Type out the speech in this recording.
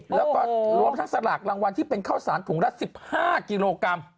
แล้วก็รวมทั้งสลากรางวัลที่เป็นข้าวสารถุงละ๑๕กิโลกรัม